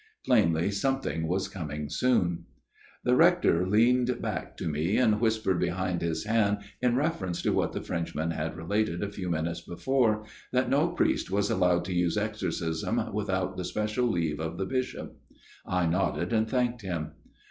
Plainly something was coming soon. FATHER MEURON'S TALE 43 The Rector leaned back to me and whispered behind his hand in reference to what the French man had related a few minutes before, that no priest was allowed to use exorcism without the special leave of the bishop. I nodded and thanked him.